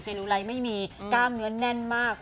เซลลูไลน์ไม่มีก้ามเนื้อนแน่นมาก